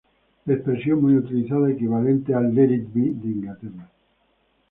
Expresión muy utilizada equivalente al let it be de Inglaterra.